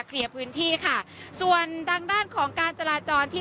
เคลียร์พื้นที่ค่ะส่วนทางด้านของการจราจรที่